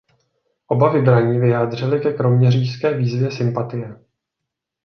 Oba vybraní vyjádřili ke Kroměřížské výzvě sympatie.